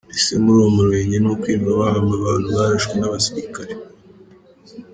mbese muri uwo murenge ni ukwirwa bahamba abantu barashwe n’abasirikare.